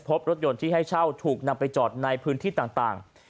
พบรถยนต์ที่ให้เช่าถูกนำไปจอดในพื้นที่ต่าง